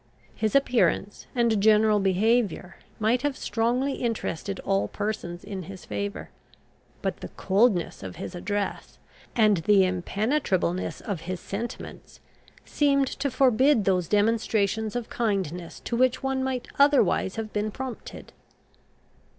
His appearance and general behaviour might have strongly interested all persons in his favour; but the coldness of his address, and the impenetrableness of his sentiments, seemed to forbid those demonstrations of kindness to which one might otherwise have been prompted.